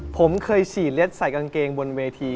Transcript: ผมเคยฉีดเล็ดใส่กางเกงบนเวที